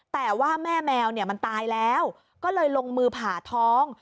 แต่ว่าแม่แมวเนี่ยมันตายแล้วก็เลยลงมือผ่าท้อง